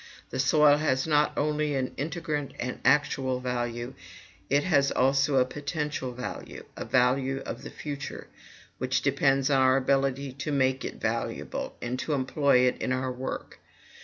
The soil has not only an integrant and actual value, it has also a potential value, a value of the future, which depends on our ability to make it valuable, and to employ it in our work.